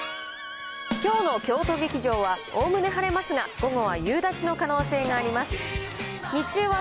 それでは、ミュージックスタきょうの京都劇場はおおむね晴れますが、午後は夕立の可能性があります。